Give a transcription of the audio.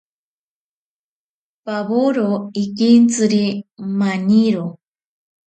Paworo ikentziri maniro.